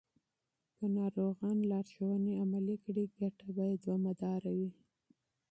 که ناروغان لارښوونې عملي کړي، ګټه به یې دوامداره وي.